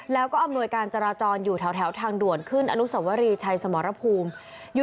แล้วก็อำนวยการจราจรอยู่แถวทางด่วนขึ้นอนุสวรีชัยสมรภูมิ